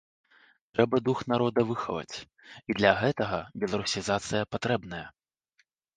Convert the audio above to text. Трэба дух народа выхаваць, і для гэтага беларусізацыя патрэбная.